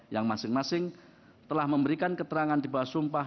yang masing masing telah memberikan keterangan di bawah sumpah